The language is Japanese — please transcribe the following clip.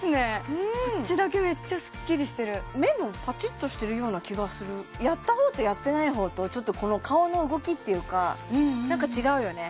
こっちだけめっちゃスッキリしてる目もパチッとしてるような気がするやった方とやってない方とちょっとこの顔の動きっていうかなんか違うよね